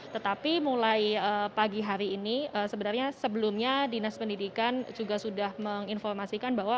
tetapi mulai pagi hari ini sebenarnya sebelumnya dinas pendidikan juga sudah menginformasikan bahwa